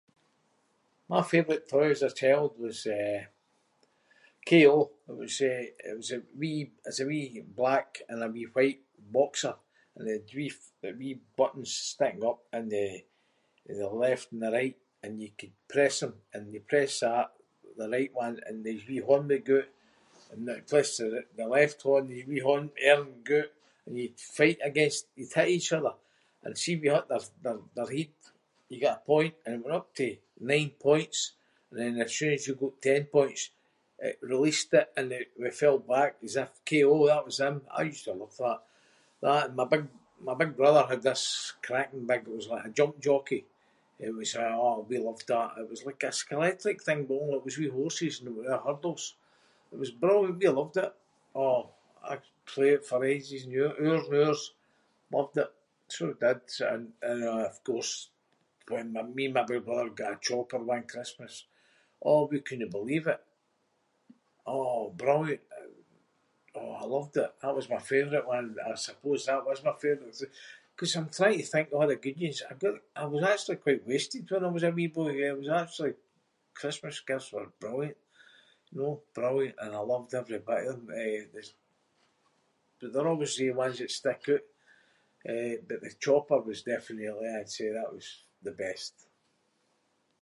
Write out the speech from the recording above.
My favourite toy as a child was, eh, K.O. It was, eh- it was a wee- it's a wee black and a wee white boxer and he had wee f- wee buttons sticking up in the left and the right and you could press them and you could press that, the right one, and his wee hand would go oot and you press the- the left one and his wee hand- arm would go oot and you’d fight against- you’d hit each other. And see if you hit their- their- their heid, you got a point. And it went up to nine points and then as soon as you got ten points it released it and he fell back as if K.O. That was him. I used to love that. That and my big- my big brother had this cracking big- it was like a jump jockey. It was- aw, we loved that. It was like this electric thing but only it was wee horses and it went over hurdles. It was brilliant. We loved it. Aw, I’d play it for ages and y- hours and hours. Loved it. So I did. And then of course when me and my big brother got a Chopper one Christmas- aw, we couldnae believe it. Aw, brilliant. Aw, I loved it. That was my favourite one. I suppose that was my favourite too ‘cause I’m trying to think of a’ the good yins. I got- I was actually quite wasted when I was a wee boy. I was actually- Christmas gifts were brilliant, you know. Brilliant. And I loved every bit of them, eh, th- but there always they ones that stick oot. Eh, but the Chopper was definitely I’d say- that was the best.